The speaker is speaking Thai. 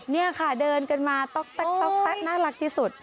นี่ค่ะเดินกันมาต๊อกแป๊ะน่ารักที่สุด